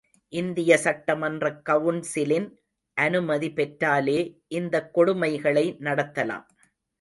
இந்திய சட்டமன்றக் கவுன்சிலின் அனுமதி பெற்றாலே இந்தக் கொடுமைகளை நடத்தலாம்.